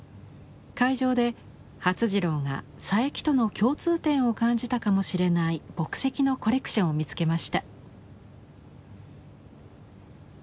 会場で發次郎が佐伯との共通点を感じたかもしれない墨跡のコレクションを見つけました。